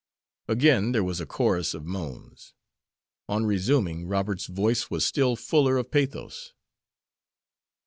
Again there was a chorus of moans. On resuming, Robert's voice was still fuller of pathos.